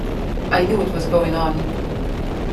I knew what was going on.